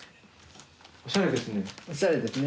おしゃれですね。